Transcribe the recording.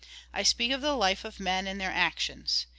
I speiik of the life of men, and their actions.